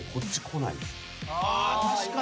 あ確かに。